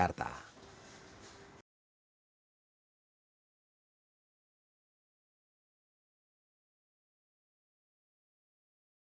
atau penyiksaan pada hewan khususnya anjing